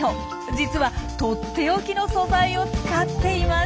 実はとっておきの素材を使っていまして。